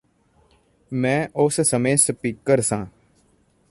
ਮੈ ਉਸ ਸਮੇ ਸਪੀਕਰ ਸਾਂ